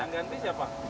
yang ganti siapa